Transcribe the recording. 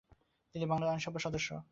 তিনি বাংলার আইনসভার সদস্য ছিলেন।